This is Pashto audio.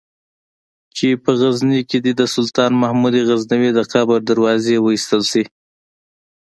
چې په غزني کې دې د سلطان محمود غزنوي د قبر دروازې وایستل شي.